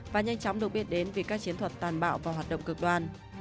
và nhanh chóng được biết đến vì các chiến thuật tàn bạo và hoạt động cực đoan